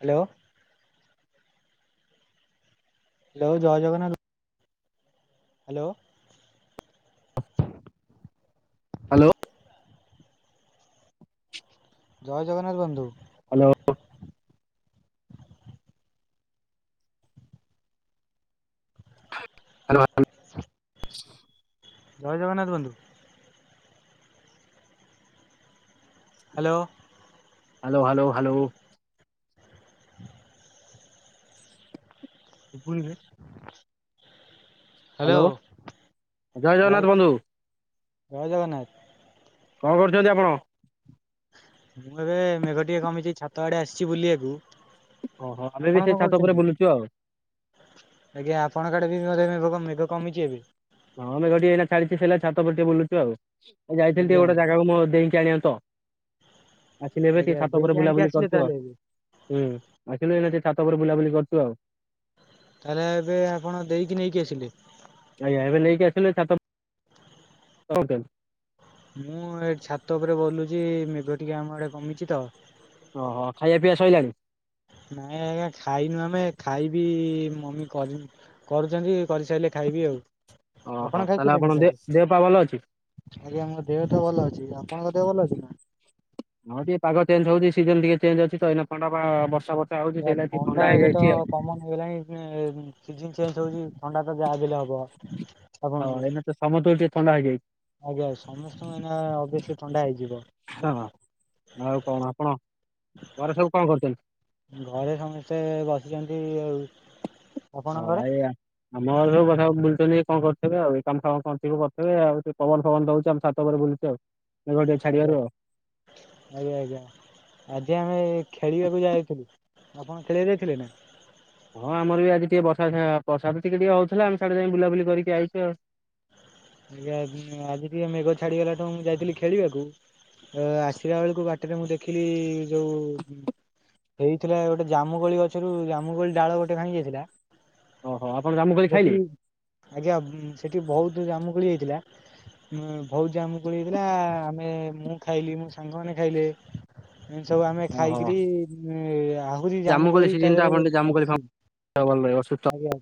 Hello. Hello ଜୟ Jagannath. Hello. Hello. ଜୟ ଜଗନ୍ନାଥ ବନ୍ଧୁ। Hello hello hello. ଜୟ ଜଗନ୍ନାଥ ବନ୍ଧୁ। ହ୍ୟାଲୋ। Hello hello hello. ଶୁବୁନି ରେ। ହ୍ୟାଲୋ। ଜୟ ଜଗନ୍ନାଥ ବନ୍ଧୁ। ଜୟ ଜଗନ୍ନାଥ, କଣ କରୁଛନ୍ତ ଆପଣ? ମୁଁ ଏବେ ମେଘ ଟିକେ କମିଚି ଛାତ ଆଡ଼େ ଆସିଛି ବୁଲିବାକୁ। ଓହୋ ଆମେ ବି ଆପଣ ସେଇ କଣ ଛାତ ଉପରେ କରୁଚନ୍ତି? ବୁଲୁଛୁ ଆଉ ଆଜ୍ଞା ଆପଣଙ୍କ ଆଡ଼େ ବି ମେଘ ମେଘ କମିଛି ଏବେ। ହଁ ମେଘ ଟିକେ ଏଇନା ଛାଡିଛି ସେଲା ଛାତ ଉପରେ ଟିକେ ବୁଲୁଚୁ ଆଉ। ଯାଇଥିଲି ଟିକେ ଆଜ୍ଞା ଗୋଟେ ଆଜ୍ଞା ଜାଗାକୁ ମୁଁ ଦେଇକି ଆଣିବା ତ। ଆସିଲି ଏବେ ଆଜ୍ଞା ଟିକେ ଛାତ ଉପରେ ଦେଇକି ଆଣିକି ବୁଲାବୁଲି ଆସିଲେ କରୁଚୁ ତାହେଲେ ଆଉ। ଏବେ। ହୁଁ ଆସିଲୁ ଏବେ ଟିକେ ଛାତ ଉପରେ ବୁଲାବୁଲି କରୁଚୁ ଆଉ। ତାହେଲେ ଏବେ ଆପଣ ଦେଇକି ନେଇକି ଆସିଲେ। ଆଜ୍ଞା ଏବେ ନେଇକି ଆସିଲି ଛାତ ଉପ କୋଉଟେ। ମୁଁ ଏ ଛାତ ଉପରେ ବଲୁଛି ମେଗ ଟିକେ ଆମ ଆଡ଼େ କମିଛି ତ। ଓହୋ ଖାଇବା ପିଇବା ସଇଲାଣି। ନାଇଁ ଆଜ୍ଞା ଖାଇନୁ ଆମେ ଖାଇବି ମମି କରି କରୁଛନ୍ତି। କରିସାରିଲେ ଖାଇବି ଆଉ ଓହୋ ଆପଣ ତାହେଲେ ଦେ ଖାଇସାଇଲେଣିି? ଦେହ ପା ଭଲ ଅଛି? ଆଜ୍ଞା ମୋ ଦେହ ତ ଭଲ ଅଛି ଆପଣଙ୍କ ଦେହ ଭଲ ଅଛି ନା। ହଁ ଟିକେ ପାଗ ଚେଞ୍ ହଉଛି ସିଜନ ଟିକେ ଚେ୍ଜ ଅଛିତ ଏଇନା ଥଣ୍ଡ ବା ବର୍ଷା ବର୍ ଆ ଥଣ୍ଡା ଏବେ ତ କମନ ହେଇଗଲାଣି ସିଜନ ଚେଞ୍ଜ ହଉଛି ଥଣ୍ଡା ତ ଯାହାବି ହେଲେ ହବ। ହ ଆପଣ ହଁ ଏଇନା ତ ସମସ୍ତଙ୍କୁ ଟିକେ ଥଣ୍ଡା ହେଇଯାଇଛି ଆଜ୍ଞା ସମସ୍ତଙ୍କୁ ଏଇନା ଅଭିଅସଲି ଥଣ୍ଡା ହେଇଯିବ। ହଁ। ଆଉ କଣ ଆପଣ ପରେ ସବୁ କଣ କରୁଛନ୍ତି? ଘରେ ସମସ୍ତେ ବସିଛନ୍ତି ଆଉ। ଆପଣଙ୍କ ଘରେ? ହଉ ଆ। ଆମ ଘରର କଥା ବୁଲୁଛନ୍ତି କଣ କରିଥିବେ ଆଉ କାମଫାମ କରିଥିବେ ଆଉ ପବନ ଫବନ ଦଉଛି ଆମ ଉପରେ ବୁଲୁଛି ଆଉ ମେଘ ଟିକେ ଆଜ୍ଞା ଛାଡିବାରୁ ଆଉ। ଆଜ୍ଞା ଆଜ୍ଞା। ଆଜି ଆମେ ଖେଳିବାକୁ ଯାଇଥିଲୁ ଆପଣ ଖେଳିବା ଯାଇଥିଲେ ନା। ହଁ ଆମର ବି ଆଜି ଟିକେ ବର୍ଷା ଛା ବର୍ସା ଟିକେ ଟିକେ ହଉଥିଲା ଆମେ ସାଡେ ଯାଇ ବୁଲା ବୁଲି କରିକି ଆଇଛୁ ଆଉ। ଆଜ୍ଞା ଆଜି ଟିକେ ମେଘ ଛାଡିଗଲା ଠୁ ମୁଁ ଯାଇଥିଲି ଖେଳିବାକୁ। ଅ ଆସିଲା ବେଳକୁ ବାଟରେ ମୁଁ ଦେଖିଲି ଯୋଉ ହେଇଥିଲା ଗୋଟେ ଜାମୁକଳି ଗଛରୁ ଜାମୁକଳି ଡାଳ ଗୋଟେ ଭାଙ୍ଗି ଯାଇଥିଲା। ଓହୋ ଆପଣ ଜାମୁକୋଳି ଖାଇଲେ? ସେଠି ଆଜ୍ଞା ସେଠି ବହୁତ ଜାମୁକୁଳି ଯାଇଥିଲା। ବୋହୁତ ଯାମକୁଳି ହେଇଥିଲା ଆମେ ମୁଁ ଖାଇଲି ମୋ ସାଙ୍ଗ ମାନେ ଖାଇଲେ। ଏମତି ସବୁ ଆମେ ଓହୋ ଖାଇକିରି ଆହୁରି ଜାମୁକୋଳି ତା ସିଜିନ ଟା ଆପଣ ଦେହରେ ଟିକେ ଜାମୁକୋଳି ଅଛି। [unintelligible] ଆଜ୍ଞା।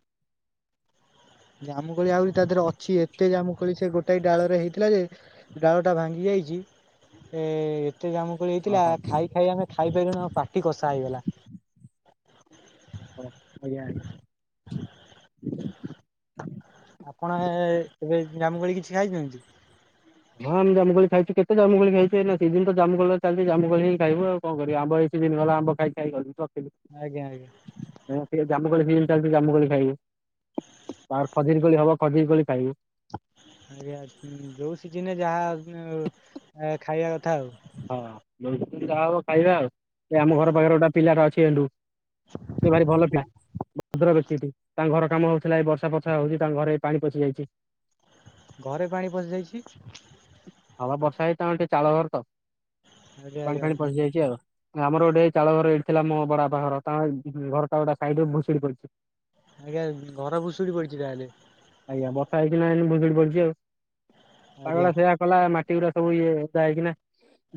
ଜାମୁକୋଳି ଆହୁରି ତା ଦେହରେ ଅଛି ଏତେ ଜାମୁକୋଳି ସେ ଗୋଟାଏ ଡାଳରେ ହେଇଥିଲା ଯେ ଡାଳଟା ଭାଙ୍ଗି ଯାଇଛି ଏତେ ଦାମ ହେଇଥିଲା ଓହୋ ଖାଇ ଖାଇ ଆମେ ଖାଇ ପାଇଲୁନୁ ପାଟି କଷା ହେଇଗଲା। ଓହୋ ଆଜ୍ଞା। ଆପଣ ଏ ଏବେ ଜାମୁକୋଳି କିଛି ଖାଇଛନ୍ତି। ହଁ ଆମେ ଜାମୁକୋଳି ଖାଇଛୁ କେତେ ଜାମୁକୋଳି ଖାଇଛୁ ଏ ନା ଦିଦିନ ତ ଜାମୁଲଳିରେ ଚାଲିଛି ଜାମୁକୋଳିି ଖାଇବୁ ଆଉ। କଣ କରିବ ଆମ୍ବ ଏଇ ସିଜିନ ଗଲା ଆମ୍ବ ଖାଇ ଖାଇ ଗଲୁ ରଖିଲି। ଆଜ୍ଞା ଆଜ୍ଞା। ଏଇନା ଟିକେ ଜାମୁକୋଳି ସୀଜନ ଚାଲିଛି ଜାମୁ କୋଳି ଖାଇବି। ଅଳ୍ପ ଦିନ ପରେ ହବ ଖଜୁରୀକୋଳି କୋଳି ଖାଇବୁ। ଆଜ୍ଞା ଯୋଉ ସିଜିନେ ରେ ଯାହା ଅ ଖାଇବା କଥା ଆଉ। ହଁ ଯାହା ହବ ଖାଇବା ଆଉ। ଆମ ଘର ପାଖରେ ଗୋଟା ପିଲାଟା ଅଛି ଏଣ୍ଡୁ। ସେ ଭାରି ଭଲ ପିଲା। ଭଦ୍ର ବ୍ୟକ୍ତି ତୁ। ତାଙ୍କ ଘର କାମ ହଉଥିଲା ଏ ବର୍ଷା ଫର୍ଷା ହଉଛି ତାଙ୍କ ଘରେ ଏଇ ପାଣି ପଶି ଯାଇଛି। ଘରେ ପାଣି ପଶି ଯାଇଛି। ଆମର ବର୍ଷା ହେଇଛି। ତାଙ୍କର ଟିକେ ଚାଳ ଘର ତ ଆଜ୍ଞା ପାଣି ଆଜ୍ଞା ଫାଣି ପଶି ଯାଇଛି ଆଉ। ଆମର ଗୋଟେ ଚାଳ ଘର ଏଇଠି ଥିଲା ମୋ ବଡାପା ଘର ତା ଘରଟା ଗୋଟା ସାଇଡରେ ଭୁଶୁଡି ପଡିଛି। ଆଜ୍ଞା। ଘର ଭୁଶୁଡି ପଡିଛି ତା ହେଲେ? ଆଜ୍ଞା। ବର୍ଷା ହେଇଛି ନା ଭୁଶୁଡି ପଡିଛି ଆଉ। ପାଗଟା ଆଜ୍ଞା। ତ ସେଇଆ। କଲା ମାଟି ଗୁରା ସବୁ ଇଏ ଓଦା ହେଇକିନା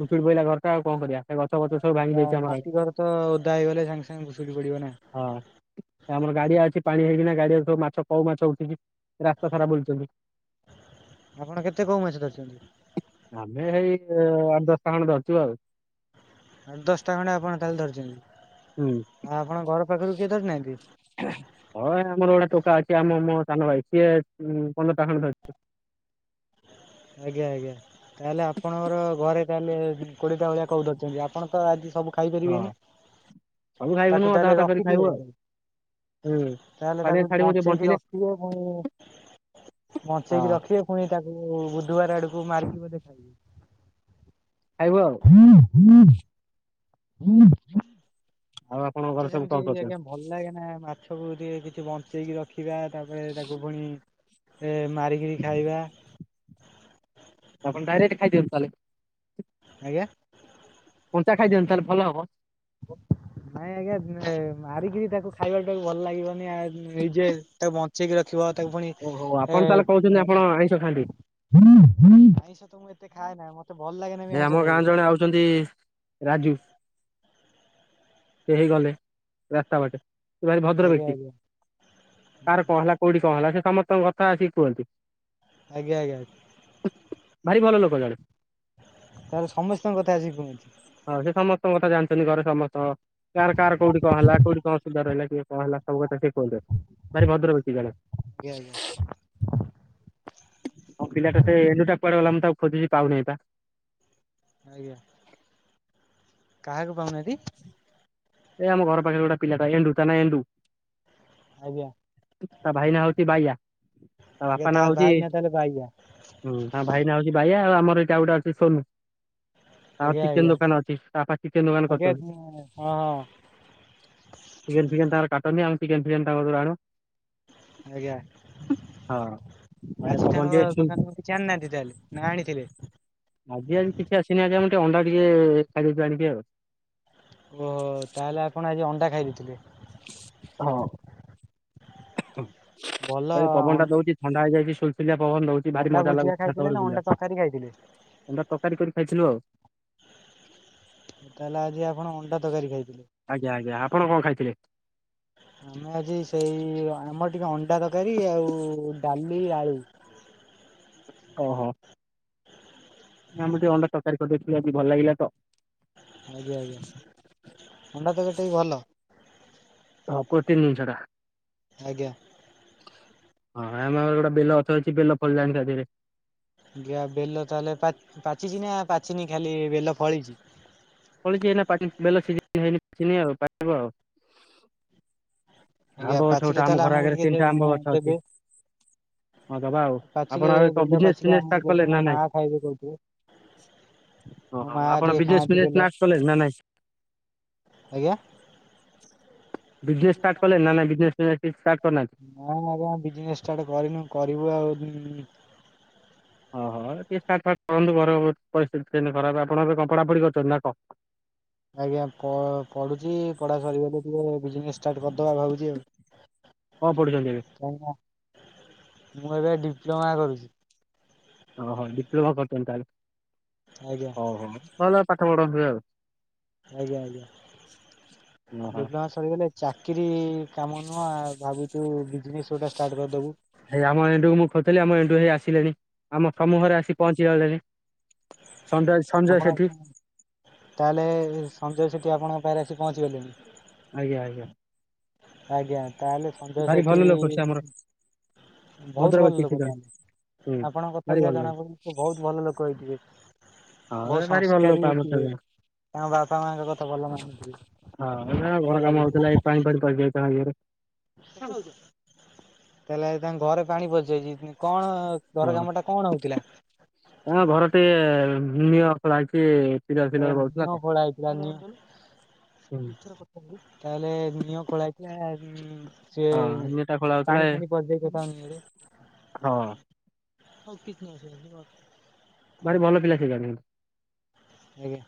ଭୁଶୁଡି ପଇଲା ଘରଟା ଆଉ କଣ କରିବା? ସେ ଗଛ ଫଛ ସବୁ ଭାଙ୍ଗି ଦେଇଛି ଆମର ଆଡେ ମାଟି ଘର ତ ଓଦା ହେଇଗଲେ ସାଙ୍ଗେ ସାଙ୍ଗେ ଭୁଶୁଡି ପଡିବ ନା। ହଁ। ଆମର ଗାଡିଆ ଅଛି ପାଣି ହେଇକିନା ଗାଡିଆରେ ସବୁ ମାଛ କଉ ମାଛ ଉଠିକି ରାସ୍ତା ସାରା ବୁଲୁଚନ୍ତି। ଆପଣ କେତେ କଉ ମାଛ ଧରିଛନ୍ତି? ଆମେ ହେଇ ଆଠ ଦଶଟା ଖଣ୍ଡେ ଧରିଚୁ ଆଉ। ଆଠ ଦଶଟା ଖଣ୍ତେ ଆପଣ ତା ହେଲେ ହୁଁ ଧରିଛନ୍ତି। ଆଉ ଆପଣ ଘର ପାଖରୁ କିଏ ଧରିନାହାଁନ୍ତି? ହଁ ଆମର ଗୋଟେ ଟୋକା ଅଛି। ଆମ ମୋ ସାନ ଭାଇ ସିଏ ପନ୍ଦର ଟା ଖଣ୍ଡେ ଧରିଛି। ଆଜ୍ଞା ଆଜ୍ଞା। ତା ହେଲେ ଆପଣଙ୍କର ଘରେ ତା ହେଲେ କୋଡିଏଟା ଭଳିଆ କଉ ଧରିଛନ୍ତି। ଆପଣ ତ ଆଜି ସବୁ ଖାଇ ହଁ ପାରିବେନି? ସବୁ ଖାଇବୁନୁ ତାକୁ ତା ଅଧା ହେଲେ ଅଧା କରି ଖାଇବୁ ରଖିଥିଲ ଆଉ ଘରେ। ହୁଁ। ତା ହେଲେ ପାଣିରେ ତାକୁ ଛାଡିବୁ ଟିକେ ବଞ୍ଚେଇକି ବଞ୍ଚିଲେ ରଖିବେ ପୁଣି ହଁ ବଞ୍ଚେଇକି ରଖିବେ। ପୁଣି ତାକୁ ବୁଧବାର ଆଡକୁ ମାରିିବ ବୋଧେ ଖାଇବେ ଖାଇବୁ ଆଉ। [inaudible] ହୁଁ। ଆଉ ଆପଣଙ୍କ ମତେ ଘରେ ସବୁ ସେମିତି କଣ ଆଜ୍ଞା କରୁଛନ୍ତି? ଭଲ ଲାଗେନା ମାଛକୁ ଟିକେ କିଛି ବଞ୍ଚେଇକି ର ରଖିବା ତାପରେ ତାକୁ ପୁଣି ମାରିକିରି ଖାଇବା। ଆପଣ ଡାଇରେକ୍ଟ ଖାଇଦିଅନ୍ତୁ ତା ହେଲେ? ଆଜ୍ଞା। କଞ୍ଚା ଖାଇ ଦିଅନ୍ତୁ ତା ହେଲେ ଭଲ ହବ। ନାଇଁ ଆଜ୍ଞା ମାରିକିରି ତାକୁ ଖାଇବାଟା ବି ଭଲ ଲାଗିବନି। ନିଜେ ତାକୁ ବ ଞ୍ଚେଇକି ରଖିବ। ତାକୁ ପୁଣି ଓହୋ ଏ ଆପଣ ତାହେଲେ କହୁଛନ୍ତି ଆପଣ ଆଇଁଷ ଖାଆନ୍ତି ଆଇଁଷ ତ ମୁଁ ଏତେ ଖାଏନା। ମତେ ଭଲ ଲାଗେନା ଏ ବି ଆଇଁଷ ଆମ ଗାଁ ଖାଇବାକୁ ଜଣେ ଆଉଛନ୍ତି ରାଜୁ। ସେ ହେଇ ଗଲେ ରାସ୍ତା ବାଟେ। ସେ ଭାରି ଭଦ୍ର ଆଜ୍ଞା ବ୍ୟକ୍ତି। ଆଜ୍ଞା। କାହାର କଣ ହେଲା କୋଉଠି କଣ ହେଲା ସେ ସମସ୍ତଙ୍କ କଥା ଆସିକି କୁହନ୍ତି? ଆଜ୍ଞା ଆଜ୍ଞା। ଭାରି ଭଲ ଲୋକ ଜଣେ ତାହେଲେ ସମସ୍ତଙ୍କ କଥା ଆସିକି କୁହନ୍ତି। ହଁ ସେ ସମସ୍ତଙ୍କ କଥା ଜାଣିଛନ୍ତି। ଘରେ ସମସ୍ତ କାହାର କାହାର କୋଉଠି କଣ ହେଲା। କୋଉଠି କଣ ଅସୁବିଧା ରହିଲା। କିଏ କଣ ହେଲା? ସବୁ କଥା ସେ କୁହନ୍ତି। ଭାରି ଭଦ୍ର ବ୍ୟକ୍ତି ଜଣେ। ଆଜ୍ଞା ଆଜ୍ଞା ଆଉ ପିଲାଟା ସେ ଏଣ୍ଡୁଟା କୁଆଡେ ଗଲା। ମୁଁ ତାକୁ ଆଉ ଖୋଜୁକି ପାଉନି ବା। ଆଜ୍ଞା। କାହାକୁ ପାଉନାହାନ୍ତି? ଏ ଆମ ଘର ପାଖେ ଗୋଟେ ପିଲାଟା ଏଣ୍ଡୁ ତା ନାଁ ଏଣ୍ଡୁ। ଆଜ୍ଞା। ତା ଭାଇ ନା ହୋଉଚି ବାୟା, ତା ଆଜ୍ଞା ବାପା ନା ହୋଉଚି ଭାଇନା ତାହେଲେ ବାଇଆ ହୁଁମ ତାଙ୍କ ଭାଇ ନା ହୋଉଚି ବାୟା, ଆଉ ଆମର ଏଇଟା ଆଉ ଗୋଟେ ଅଛି ସୋନୁ। ତାଙ୍କର ଆଜ୍ଞା ଚିକେନ୍ ଦୋକାନ ଅଛି। ତା ବାପା ଚିକେନ୍ ଦୋକାନ କର୍ ହଁଅଁ, ହଁଁ ହଁ। ଜିକେନ୍ ଫିକେନ୍ ତାଙ୍କର କାଟନ୍ତି। ଆମ ଚିକେନ୍ ଫିକେନ୍ ତାଙ୍କ ପାଖୁରୁ ଆଣୁ। ଆଜ୍ଞା! ଆଜି ହଁ। ଟାଙ୍କ ଦୋକାନୁରୁ ଆଉ ଏ ପବନ କିଛି ଟିକେ ଆନିନାହାନ୍ତି ତାହେଲେ ନା ଆଣିଥିଲେ? ଆଜି ଆଜି କିଛି ଆସିନି ଆଜି ଆମର ଟିକେ ଅଣ୍ଡା ଟିକେ ଖାଇ ଦେଇଥିଲୁ ଆଣିକି ଆଉ। ଓହୋ! ତାହେଲେ ଆପଣ ଆଜି ଅଣ୍ଡା ଖାଇ ଦେଇଥିଲେ। ହଁ। ଭଲ ଆଜି ପବନ ଟା ଦଉଚି ଥଣ୍ଡା ହେଇଯାଇଚି। ସୁଲସୁଲିଆ ପବନ ଦଉଚି ଭାରି ଅଣ୍ଡା ମଜା ଭୁଜିଆ ଲାଗୁଛି। ଛାତ ଖାଇଥିଲେ ଓପେରେ ନା ଅଣ୍ଡା ବୁଲିଆ। ତରକାରୀ ଖାଇଥିଲେ? ଅଣ୍ଡା ତକାରୀ କରି ଖାଇଥିଲୁ ଆଉ। ତାହେଲେ ଆଜି ଆପଣ ଅଣ୍ଡା ତକାରୀ ଖାଇଥିଲେ। ଆଜ୍ଞା! ଆଜ୍ଞା! ଆପଣ କଁ ଖାଇଥିଲେ? ହଁ ଆମେ ଆଜି ସେଇ ଆମର ଟିକେ ଅଣ୍ଡା ତକାରୀ ଆଉ ଡାଲି, ଆଳୁ ଓହୋ। ଆମର ଟିକେ ଅଣ୍ଡା ତରକାରୀ କରିଦେଇଥିଲେ ଆଜି ଭଲ୍ ଲାଗିଲା ତ। ଆଜ୍ଞା! ଆଜ୍ଞା! ଅଣ୍ଡା ତରକାରୀ ଟିବି ଭଲ। ଫକୁର୍ତ୍ତି ଦିନଷଟା। ଆଜ୍ଞା! ହଁ ଆମର ଏଟି ଗୋଟା ବେଲ ଅଛ ଅଛି ବେଲ ଫଳଲାଣି ତା ଧିଏରେ। ଆଜ୍ଞା। ବେଲ ତାହେଲେ ପା ପିଚିଚି ନା ପାଚିନି ଖାଲି ବେଲ ଫଳିଛି। ଫଳିଛି ଏଇନା ପାଚିନି ବେଲ ସିଜିନ ହେଇନି, ପାଚିନି ଆଉ ପାଚିବ ଆଉ। ଆଜ୍ଞା ଆମ୍ବ ଗଛ ପାଚିଲେ ଗୋଟେ ଆମ ତାହେଲେ ଘର ଆମକୁ ଆଗେରେ ଟିକେ ତିନଟା ଆମ୍ବ ଗଛ ଅଛି। ଦେବେ। ହଁ ଦବା ଆଉ, ପାଚିଲେ ଆପଣ ଆଉ ଏ କଁ ବେଲ ବିଜନେସ୍ ପାଚିଲେ ଫିଜନେସ୍ ଆମକୁ ଷ୍ଟାର୍ଟ ଦେବେ ମୋ କଲେଣି ନା ମା ନାଇଁ? ଖାଇବେ କହୁଥିଲେ ଓ ମୋ ମା ହଁ ଆପଣ ଟିକେ ବିଜନେସ୍ ଖାଆନ୍ତି ବେଲ ଫିଜନେସ୍ [unintelligible] କଲେଣି ନା ନାଇଁ? ଆଜ୍ଞା। ବିଜନେସ୍ ଷ୍ଟାର୍ଟ କଲେଣି ନା ନାଇଁ ବିଜନେସ୍ ଫିଜନେସ୍ କିଛି ଷ୍ଟାର୍ଟ କରନାଆନ୍ତି। ନାଇଁ ଆଜ୍ଞା, ବିଜନେସ୍ ଷ୍ଟାର୍ଟ କରିନୁ କରିବୁ ଆଉ ଦୁଁ ଅହଃ! ଟିକେ ଷ୍ଟାଟ ଫାର୍ଟ କରନ୍ତୁ। ଘର ପ ପରିସ୍ଥିତି ସେନତି ଖରାପ୍ ଆପଣ ଏବେ କଁ ପଢାପଢି କରୁଚନ୍ତି ନା କଁ? ଆଜ୍ଞା। କଁ ପଢୁଛି ପଢା ସରିଗଲେ ଟିକେ ବିଜନେସ୍ ଷ୍ଟାର୍ଟ କରଦବା ଭାବୁଛି କଣ ପଢ଼ୁଛନ୍ତି ଏବେ? ଆଉ। [unintelligible] ମୁଁ ଏବେ ଡିପ୍ଲୋମା କରୁଚି। ଅହ, ଡିପ୍ଲୋମା କରୁଚନ୍ତି ତାହେଲେ। ଆଜ୍ଞା। ଅହୋ। ଭଲ ପାଠ ପଢନ୍ତି ଆଉ। ଆଜ୍ଞା। ଆଜ୍ଞା। ଓହୋ। [unintelligible] ସରିଗଲେ ଚାକିରି ଇ କାମ ନୁହଁ ଭାବୁଚୁ ବିଜନେସ୍ ଗୋଟା ଷ୍ଟାର୍ଟ କରଦବୁ। ଏଇ ଆମ ଏଣ୍ଡୁକୁ ମୁଁ ଖୋଜୁଥେଲି, ଆମ ଏଣ୍ଡୁ ହେଇ ଆସିଲେଣି। ଆମ ସମୁହରେ ଆସି ପହଞ୍ଚିଗଲେଣି। ଆପଣ କଁ? ତାହେଲେ ସଞ୍ଜୟ ସେଠି ଆପଣଙ୍କ ପାଖେରେ ଆସିି ପହଞ୍ଚିଗଲେଣି। ଆଜ୍ଞା! ଆଜ୍ଞା! ଆଜ୍ଞା। ତାହେଲେ ସଞ୍ଜୟ ଭାରି ସେଠି ଭଲ ଲୋକ ସେ ଆମର ଇ ଭଦ୍ର ବହୁତ୍ ଭଲ୍ ବ୍ୟକ୍ତି ସେ ଲୋକ ଜଣେ ତାହେଲେ, ହୁଁ। ଆପଣଙ୍କ ଭାରି କଥାରୁ ଯା ଭଲ ଲାଗେ ଜଣାପଡ଼ୁଚି। ବହୁତ୍ ଭଲ ଲୋକ ହେଇଥିବେ, ହଁ ଏ ବହୁତ୍ ଭାରି ଭଲ ଲୋକ ସଂସ୍କାରୀ ଆମର ସେ ହେଇଥିବେ। ଜଣେ ତାଙ୍କ ବାପା ମାଆଙ୍କ କଥା ଭଲ ମାନୁଛି। କହୁଥିଲା ଏଇ ପାଣି ଫାଣି [unintelligible] ତାହେଲେ ଆଜି ତାଙ୍କ ଘରେ ପାଣି ପସିଯାଇଛି। କଣ ଘର ହଁ କାମ ଟା କଣ ହଉଥିଲା? ଘର ଟିକେ ନିଅ ଖଳା ହେଇଛି। ପିଲର [unintelligible] ଫିଲର ତାହଲେ ପଡୁଥିଲା ନିଓ ଖୋଳା ହେଇଥିଲା। ତ। ସିଏ ହଁ ଏମିତିଟା ଖୋଳା ହଉଥିଲା ପାଣି ଏ ଫାଣି [unintelligible] ହଉ ହଁ କିଛି [unintelligible] ଭାରି ଭଲ ଥିଲା ସେ ଜାଗା। ଆଜ୍ଞା।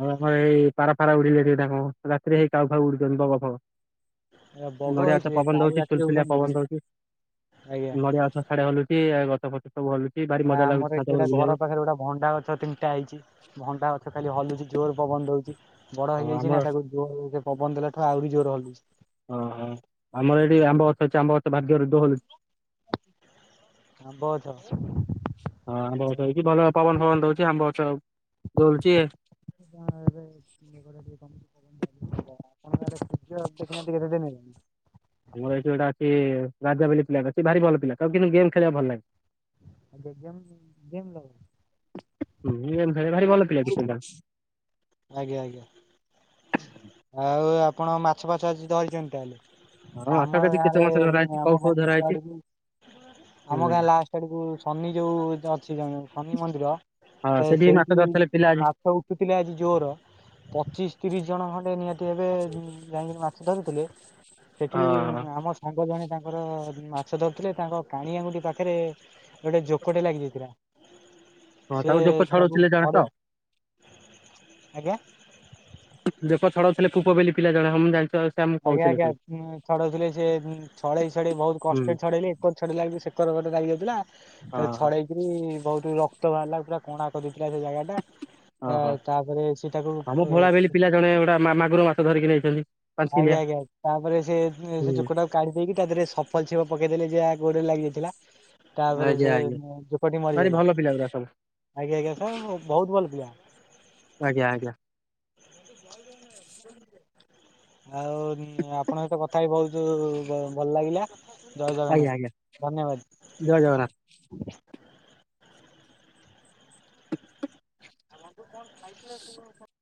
ଆଉ ଆମର ଏଇ ପାରା ଫାରା ଉଡ଼ିପାରିବେ ନା କଣ ରାତିରେ ହେଇ କାଉ ଫାଉ ଉଡୁଛନ୍ତି ବଗ ଫଗ। ବଗ ନଡିଆ ଗଛ ହେଇଥିବେ ପବନ କାଉ ଦଉଛି ରାତିରେ ସୁଲସୁଲିଆ ପବନ ଉଡନ୍ତିନି। ଦଉଛି। ଆଜ୍ଞା ନଡିଆ ଗଛ ସୁଆଦେ ହଲୁଛି ଗଛ ଫଛ ସବୁ ହଲୁଛି। ଭାରି ଆ ମଜା ଲାଗୁଛି ଆମର ଏଠି ଛାତ ଉପରେ ଗୋଟେ ଘର ବୁଲିବାକୁ ପାଖରେ ଗୋଟେ ଭଣ୍ଡା ଅଛି। ଟା ହେଇଛି ଭଣ୍ଟା ଗଛ ଖାଲି ହଲୁଛି ଜୋର ପବନ ଦଉଛି। ବଡ଼ ଆଉ ହେଇଯାଇଛି ଆମର ନା ତାକୁ ସେ ପବନ ଦେଲାଠୁ ଆହୁରି ଜୋର ହଲୁଛି। ଓହୋ ଆମର ଏଠି ଆମ୍ବ ଗଛ ଅଛି ଆମ୍ବ ଗଛ [unintelligible] [unintelligible] ହଁ ଆମ୍ବ ଗଛ ହେଉଛି ଭଲ ପବନ ଫବନ ଦଉଛି ଆମ୍ବ ଗଛ ଦୋଳଛି। [inaudible] [inaudible] ଆମର ଏଠି ଗୋଟ ଅଛି ରାଜା ବୋଲି ପିଲାଟେ ଅଛି। ସେ ଭାରି ଭଲ ପିଲା ତାକୁ କିନ୍ତୁ ଗେମ୍ ଖେଳିବା ଭଲ ଲାଗେ। [inaudible] ହୁଁ ଗେମ୍ ଖେଳେ ଭାରି ଭଲ ପିଲା ଟି ସେଟା। ଆଜ୍ଞା ଆଜ୍ଞା ଆଉ ଆପଣ ମାଛ ଫାଛ ଆଜି ଧରିଛନ୍ତି ତାହେଲେ। ହଁ ମାଛ ଆମ କେଜି କେତେ ଗାଁରେ ମାଛ ଧରା ହେଇଛି କଉ ଆମ ଗାଁ ଫଉ ଧରା ହେଇଛି ଶେଷୁଆଡକୁ ଆମ ହୁଁ। ଗାଁ ଲାଷ୍ଟ ଆଡକୁ ଶନି ଯୋଉ ଅଛି ଶନି ମନ୍ଦିର ହଁ ତ ସେଠି ବି ମାଛ ସେଇଠି ଧରିଥିଲେ ପିଲା ଆଜି ମାଛ ଥିଲେ ଆଜି। ଜୋର ପଚିଶ ତିରିଶ ଜଣ ଖଣ୍ଡେ ନିହାତି ଏବେ ଯାଇକିରି ମାଛ ଧରୁଥିଲେ। ସେଠି ହଁ ହଁ। ଆମ ସାଙ୍ଗ ଜଣେ ତାଙ୍କର ମାଛ ଧରୁଥିଲେ ତାଙ୍କ କାଣି ଆଙ୍ଗୁଠି ପାଖରେ ଗୋଟେ ଜୋକଟେ ଲାଗିଯାଇଥିଲା। ହଁ ତାକୁ ଜୋକ ଛାଡୁଥିଲେ ଜଣେ ଛଡେଇ ତ। ଆଜ୍ଞା। ଲୋକ ଛଡାଉ ଥିଲେ [unintelligible] ବୋଲି ପିଲା ଜଣେ ହଁ ମୁଁ ଜାଣିଛ ଆଉ। ଆଜ୍ଞା ଆଜ୍ଞା ଛଡଉଥିଲେ ସିଏ ଛଡେଇ ଛଡେଇ ବହୁତ ହୁଁ କଷ୍ଟରେ ଛଡେଇଲେ। [unintelligible] ସେକର ଗୋଟେ ଲାଗି ଯାଇଥିଲା ହଁ ତାକୁ ହଁ ଛଡେଇକି ବହୁତ ରକ୍ତ ବାହାରିଲା ପୁରା କଣା କରିଦଥିଲା ସେ ଜାଗାଟା। ଓହୋ ହଁ ମ ଭୋଳା ବୋଲି ପିଲା ଜଣେ ଗୋଟା ମାଗୁର ମାଛ ଧରିକି ନେଇଛନ୍ତି। ପାଞ୍ଚ କିଲିଆ ଆଜ୍ଞା ଆଜ୍ଞା ତାପରେ ସେ ସେ ହୁଁ ଜୋକଟା କାଢି ଦେଇକି ତା ଦେହରେ ସଫଲ ଛେପ ପକେଇ ଦେଲେ ଯା ଗୋଡରେ ଲାଗିଯାଇଥିଲା। ତାପରେ ଆଜ୍ଞା ସେ ଆଜ୍ଞା ପୋକଟି ଭାରି ମରିଗଲା। ଭଲ ପିଲା ଗୁରା ସବୁ ଆଜ୍ଞା ଆଜ୍ଞା ହଁ ହଁ ବହୁତ ଭଲ ପିଲା। ଆଜ୍ଞା ଆଜ୍ଞା। ଆଉ ଆପଣଙ୍କ ସହିତ କଥା ହ ବହୁତ ଭଲ ଲାଗିଲା। ଜୟ ଆଜ୍ଞା ଜଗନ୍ନାଥ ଆଜ୍ଞା ଧନ୍ୟବାଦ। ଜୟ ଜଗନ୍ନାଥ। [inaudible] ଆଙ୍କୁୁ କଣ ଖାଇଥିଲେ ସବୁ [unintelligible]